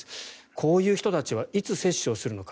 こういう人たちはいつ接種をするのか。